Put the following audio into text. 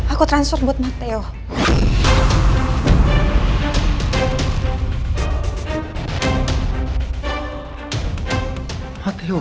aku transfer buat matteo